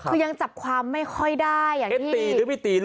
คือยังจับความไม่ค่อยได้